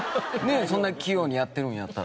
そんなに器用にやってるんやったら。